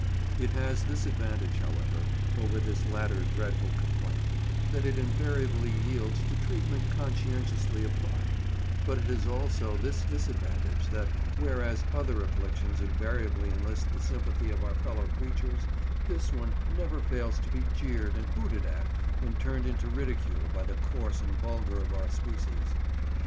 It has this advantage, however, over this latter dreadful complaint—that it invariably yields to treatment conscientiously applied; but it has also this disadvantage, that, whereas other afflictions invariably enlist the sympathy of our fellow creatures, this one never fails to be jeered and hooted at and turned into ridicule by the coarse and vulgar of our species.